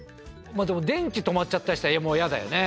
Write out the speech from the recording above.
でも電気止まっちゃったりしたらもう嫌だよね。